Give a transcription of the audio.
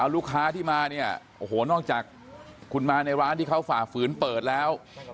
ลูกค้าที่มาเนี่ยโอ้โหนอกจากคุณมาในร้านที่เขาฝ่าฝืนเปิดแล้ว